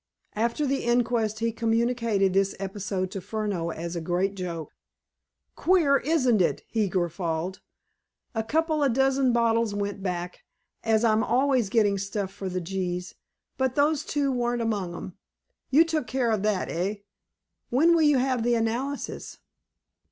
After the inquest he communicated this episode to Furneaux as a great joke. "Queer, isn't it?" he guffawed. "A couple of dozen bottles went back, as I'm always getting stuff for the gees, but those two weren't among 'em. You took care of that, eh? When will you have the analysis?"